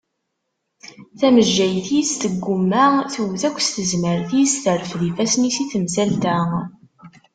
Tamejjayt-is tegguma, tewwet akk s tezmert-is, terfed ifassen i temsalt-a.